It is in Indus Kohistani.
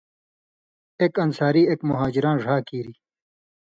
اک انصاری اک مھاجراں ڙھا کیریۡ۔